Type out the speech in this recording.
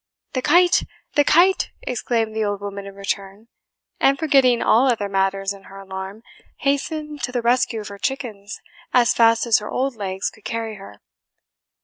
"The kite! the kite!" exclaimed the old woman in return, and forgetting all other matters in her alarm, hastened to the rescue of her chickens as fast as her old legs could carry her.